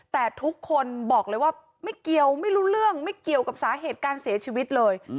แต่ทุกคนบอกเลยว่าไม่เกี่ยวไม่รู้เรื่องไม่เกี่ยวกับสาเหตุการเสียชีวิตเลย